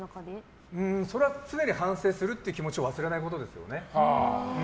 それは常に反省するって気持ちを忘れないことですね。